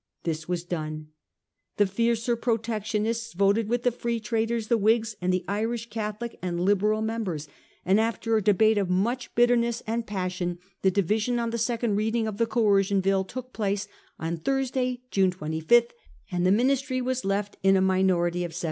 This was done. The fiercer Protec tionists voted with the Free Traders, the Whigs, and the Irish Catholic and Liberal members, and after a debate of much bitterness and passion, the division on the second reading of the Coercion Bill took place on Thursday, June 25, and the Ministry were left in a minority of 73.